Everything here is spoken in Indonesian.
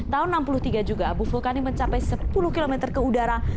tahun seribu sembilan ratus enam puluh tiga juga abu vulkanik mencapai sepuluh km ke udara